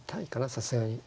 さすがに。